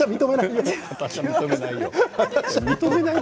私は許せないよ。